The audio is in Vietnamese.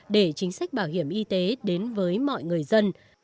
để chính sách bảo hiểm y tế đến với mọi người dân